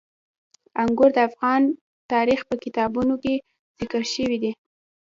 انګور د افغان تاریخ په کتابونو کې ذکر شوی دي.